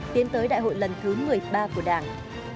tiến tới đại hội lần thứ một mươi ba của đảng